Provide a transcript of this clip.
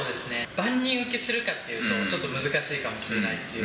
万人受けするかっていうと、ちょっと難しいかもしれなくて。